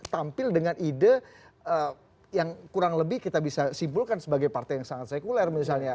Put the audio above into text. tampil dengan ide yang kurang lebih kita bisa simpulkan sebagai partai yang sangat sekuler misalnya